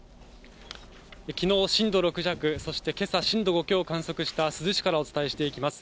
きのう震度６弱、そしてけさ、震度５強を観測した珠洲市からお伝えしていきます。